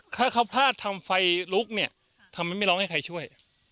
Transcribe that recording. ถ้าเขาพลาดทำไฟลุกเนี่ยทำไมไม่ร้องให้ใครช่วย